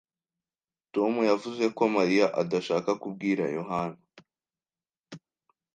Tom yavuze ko Mariya adashaka kubwira Yohana.